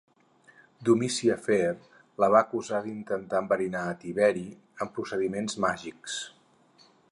Domici Afer la va acusar d'intentar enverinar a Tiberi amb procediments màgics.